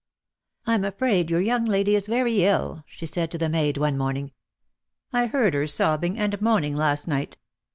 "I'm afraid your young lady is very ill," she said to the maid one morning. "I heard her sobbing and moaning last night."